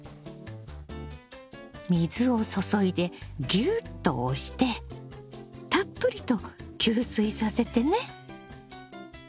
水を注いでギューッと押してたっぷりと吸水させてね。